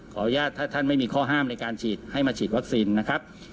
ขออนุญาตถ้าท่านไม่มีข้อห้ามในการฉีดให้มาฉีดวัคซีนนะครับ